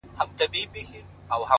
ستـا له خندا سره خبري كـوم،